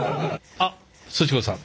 あっすち子さん。